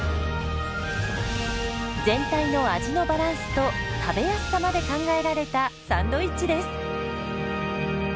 全体の味のバランスと食べやすさまで考えられたサンドイッチです。